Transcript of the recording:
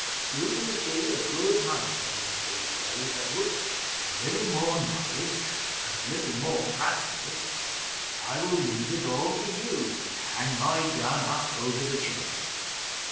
You will be a good hunter one of these days, Edward. A little more knowledge, and a little more practice, and I will leave it all to you, and hang up my gun over the chimney."